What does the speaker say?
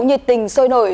nhật tình sôi nổi